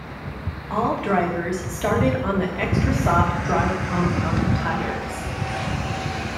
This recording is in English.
All drivers started on the Extra Soft dry compound tyres.